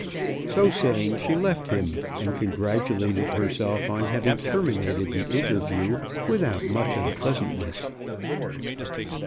So saying she left him, and congratulated herself on having terminated the interview without much unpleasantness.